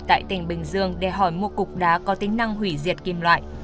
tại tỉnh bình dương để hỏi một cục đá có tính năng hủy diệt kim loại